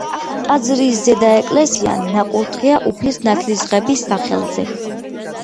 ტაძრის ზედა ეკლესია ნაკურთხია უფლის ნათლისღების სახელზე.